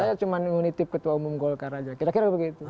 saya cuma menitip ketua umum golkar aja kira kira begitu